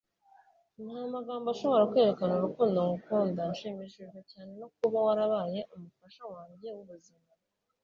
nta magambo ashobora kwerekana urukundo ngukunda. nshimishijwe cyane no kuba warabaye umufasha wanjye w'ubuzima